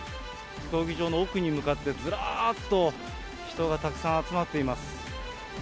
競技場の奥に向かってずらっと、人がたくさん集まっています。